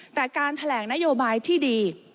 แต่การแถลงนโยบายที่ดี